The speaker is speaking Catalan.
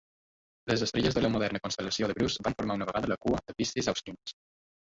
Les estrelles de la moderna constel·lació de Grus van formar una vegada la "cua" de Piscis Austrinus.